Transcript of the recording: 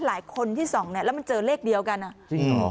หลายคนที่ส่องเนี่ยแล้วมันเจอเลขเดียวกันอ่ะจริงหรอ